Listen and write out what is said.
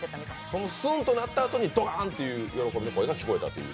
その、すんとなったあとにドカンと喜びの声が聞こえたんですか？